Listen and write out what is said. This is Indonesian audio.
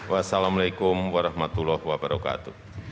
wassalamu'alaikum warahmatullahi wabarakatuh